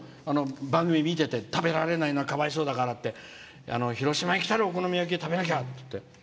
番組見てて食べれないのはかわいそうだからって広島、来たらお好み焼き食べなきゃって。